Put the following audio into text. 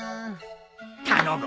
頼む！